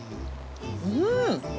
うん。